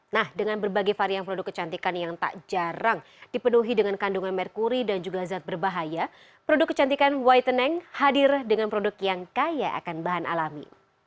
nah dengan berbagai varian produk kecantikan yang tak jarang dipenuhi dengan kandungan merkuri dan juga zat berbahaya produk kecantikan whitening hadir dengan produk yang kaya akan bahan alami